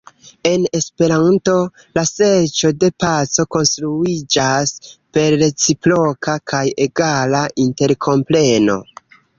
En Esperanto, la serĉo de paco konstruiĝas per reciproka kaj egala interkompreno.